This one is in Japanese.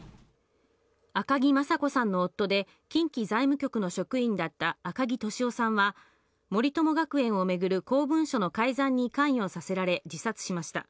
赤木雅子さんの夫で、近畿財務局の職員だった赤木俊夫さんは、森友学園を巡る公文書の改ざんに関与させられ、自殺しました。